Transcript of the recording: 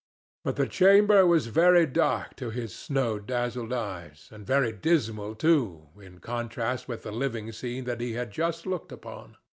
But the chamber was very dark to his snow dazzled eyes, and very dismal, too, in contrast with the living scene that he had just looked upon.